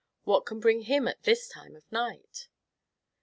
What can bring him at this time of night?"